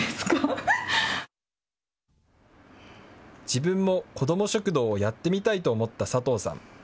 自分も、こども食堂をやってみたいと思った佐藤さん。